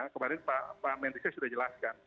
kemarin pak mendrisnya sudah jelaskan